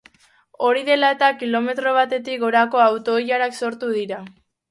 Hori dela eta, kilometro batetik gorako auto-ilarak sortu dira.